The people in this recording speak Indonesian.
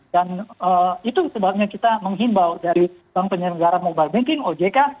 dan itu sebabnya kita menghimbau dari bank penyelenggara mobile banking ojk